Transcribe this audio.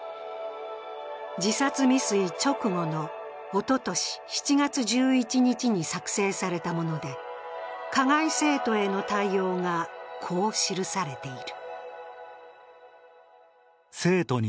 自殺未遂直後のおととし７月１１日に作成されたもので加害生徒への対応がこう記されている。